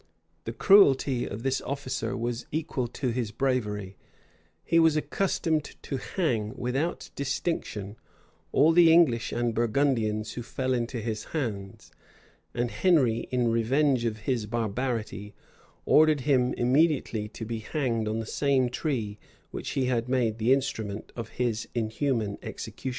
The cruelty of this officer was equal to his bravery: he was accustomed to hang, without distinction, all the English and Burgundians who fell into his hands: and Henry, in revenge of his barbarity, ordered him immediately to be hanged on the same tree which he had made the instrument of his inhuman executions.